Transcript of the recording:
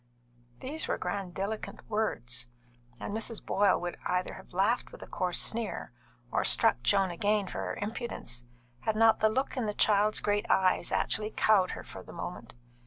These were grandiloquent words, and Mrs. Boyle would either have laughed with a coarse sneer, or struck Joan again for her impudence, had not the look in the child's great eyes actually cowed her for the moment.